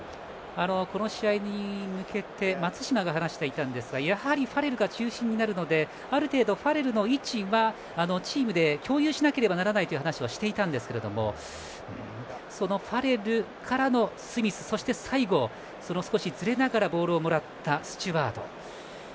この試合に向けて松島が話していたんですがやはりファレルが中心になるのである程度ファレルの位置はチームで共有しないといけないという話をしていたんですけどもそのファレルからのスミス、最後ずれながらボールをもらったスチュワード。